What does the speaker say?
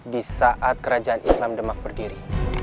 disaat kerajaan islam demak berdiri